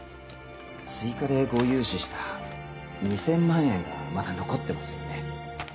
追加でご融資した２千万円がまだ残ってますよね？